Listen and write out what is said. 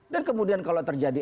dan kemudian kalau terjadi